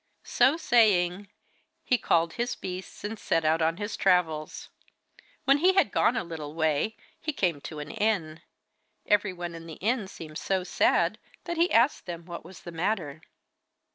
So saying, he called his beasts, and set out on his travels. When he had gone a little way he came to an inn. Everyone in the inn seemed so sad that he asked them what was the matter.